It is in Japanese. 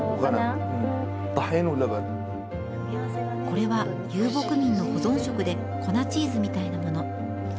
これは、遊牧民の保存食で粉チーズみたいなもの。